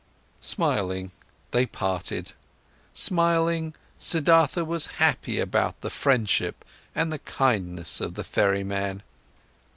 Smiling, they parted. Smiling, Siddhartha was happy about the friendship and the kindness of the ferryman.